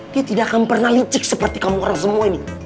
dia tidak akan pernah licik seperti kamu orang semua ini